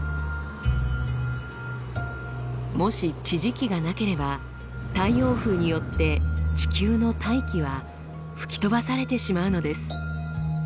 もし地磁気がなければ太陽風によって地球の大気は吹き飛ばされてしまうのです。